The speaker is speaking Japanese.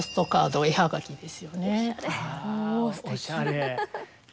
あおしゃれ！